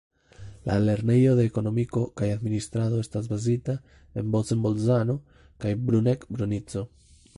La Lernejo de Ekonomiko kaj administrado estas bazita en Bozen-Bolzano kaj Bruneck-Brunico.